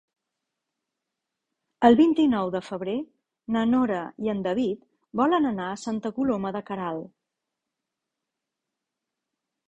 El vint-i-nou de febrer na Nora i en David volen anar a Santa Coloma de Queralt.